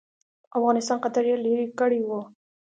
افغانستان خطر یې لیري کړی وو.